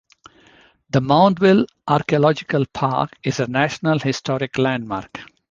The Moundville Archaeological Park is a National Historic Landmark.